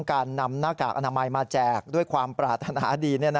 การนำหน้ากากอนามัยมาแจกด้วยความปรารถนาดี